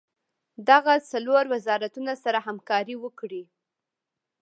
دغه څلور وزارتونه سره همکاري وکړي.